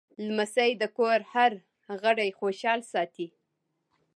لمسی د کور هر غړی خوشحال ساتي.